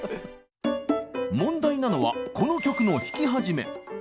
問題なのはこの曲の弾き始め。